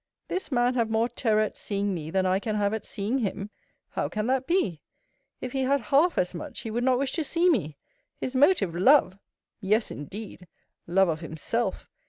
This man have more terror at seeing me, than I can have at seeing him! How can that be? If he had half as much, he would not wish to see me! His motive love! Yes, indeed! Love of himself!